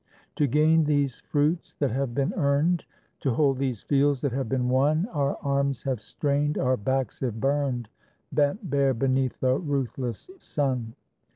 To gain these fruits that have been earned, To hold these fields that have been won, Our arms have strained, our backs have burned, Bent bare beneath a ruthless sun.